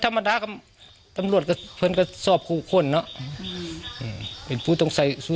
ธรรมดาครับตำลวดก็เพิ่งกระซอบคู่คนน่ะอืมเป็นผู้สงสัย